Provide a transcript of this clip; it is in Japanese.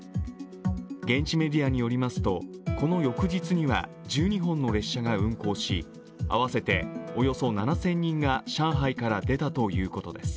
現地メディアによりますとこの翌日には１２本の列車が運行し、合わせておよそ７０００人が上海から出たということです。